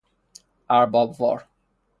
ارباب وار